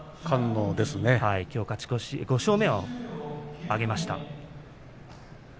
きょう勝ち越し５勝目を挙げました。